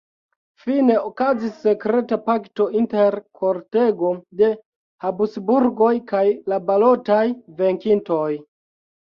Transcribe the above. Fine okazis sekreta pakto inter kortego de Habsburgoj kaj la balotaj venkintoj.